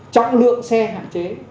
trọng lượng xe hạn chế